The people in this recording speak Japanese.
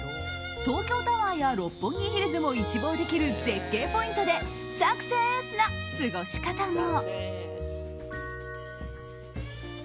東京タワーや六本木ヒルズも一望できる絶景ポイントでサクセースな過ごし方も。